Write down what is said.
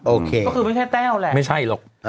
โอเคก็คือไม่ใช่แต้วแหละไม่ใช่หรอก